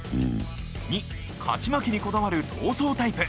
２勝ち負けにこだわる闘争タイプ。